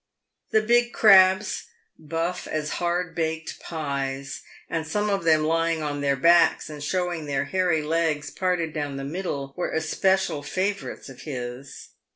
The big crabs, buff as hard baked pies, and some of them lyiug on their backs and showing their hairy legs parted down the middle, were especial favourites of his.